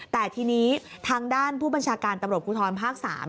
แต่ทีนี้ทางด้านผู้บัญชาการตำรวจภูทรภาค๓